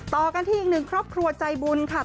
ต่อกันที่อีกหนึ่งครอบครัวใจบุญค่ะ